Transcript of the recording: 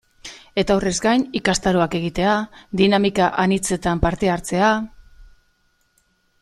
Eta horrez gain ikastaroak egitea, dinamika anitzetan parte hartzea...